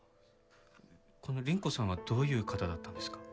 この倫子さんはどういう方だったんですか？